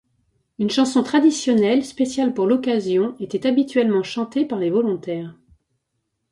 Une chanson traditionnelle, spéciale pour l'occasion, était habituellement chantée par les volontaires.